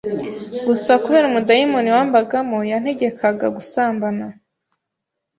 gusa kubera umudayimoni wambagamo yantegekaga gusambana